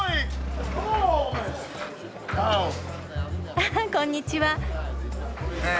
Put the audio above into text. ああこんにちは。